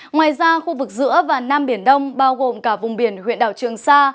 ngoài ra khu vực giữa và nam biển đông bao gồm cả vùng biển huyện đảo trường sa